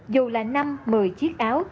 dù là năm một mươi chiếc áo